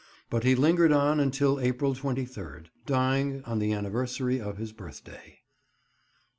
But he lingered on until April 23rd, dying on the anniversary of his birthday.